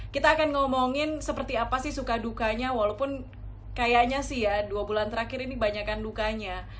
kita akan ngomongin seperti apa sih suka dukanya walaupun kayaknya sih ya dua bulan terakhir ini banyakan dukanya